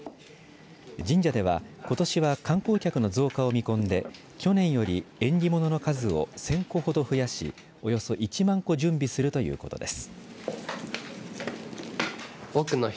神社では、ことしは観光客の増加を見込んで去年より縁起物の数を１０００個ほど増やしおよそ１万個準備するということです。